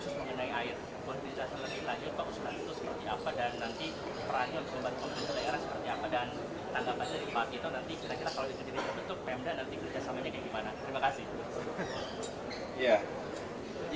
dan tanggapan dari pak gito nanti kira kira kalau dikendiri kebetulan pmd nanti kerjasamanya kayak gimana terima kasih